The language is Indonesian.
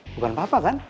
bukan papa kan